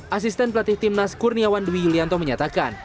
asisten pelatih tim nas kurniawan dwi yulianto menyatakan